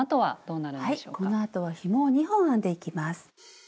このあとはひもを２本編んでいきます。